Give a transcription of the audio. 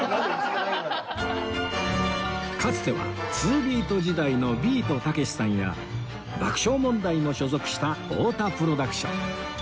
かつてはツービート時代のビートたけしさんや爆笑問題も所属した太田プロダクション